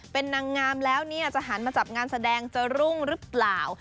เป็นนางงามแล้วเนี่ยจะหันมาจับงานแสดงจะรุ่งหรือเปล่า